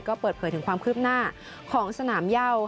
ก็เปิดเผยถึงความคืบหน้าของสนามเย่า